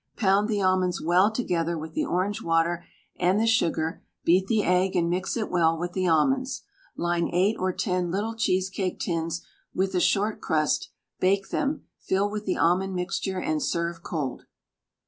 Pound the almonds well together with the orange water, and the sugar, beat the egg and mix it well with the almonds. Line 8 or 10 little cheesecake tins with a short crust, bake them, fill with the almond mixture, and serve cold.